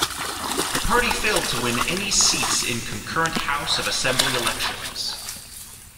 The party failed to win any seats in concurrent House of Assembly elections.